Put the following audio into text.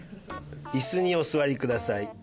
椅子にお座りください。